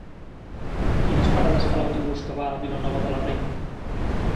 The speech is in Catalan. Quines parades fa l'autobús que va a Vilanova de la Reina?